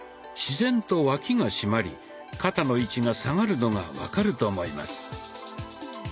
自然と脇がしまり肩の位置が下がるのが分かると思います。